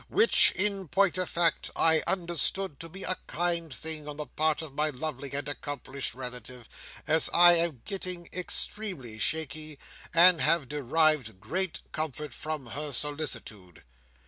Which in point of fact I understood to be a kind thing on the part of my lovely and accomplished relative, as I am getting extremely shaky, and have derived great comfort from her solicitude."